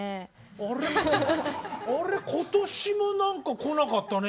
「あれ今年も何か来なかったね」